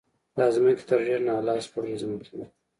دا ځمکې تر ډېره نا لاس خوړلې ځمکې وې.